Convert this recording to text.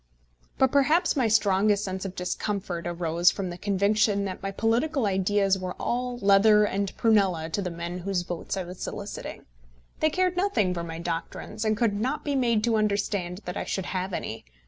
But perhaps my strongest sense of discomfort arose from the conviction that my political ideas were all leather and prunella to the men whose votes I was soliciting. They cared nothing for my doctrines, and could not be made to understand that I should have any.